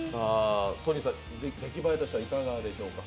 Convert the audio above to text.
出来栄えとしてはいかがでしょうか？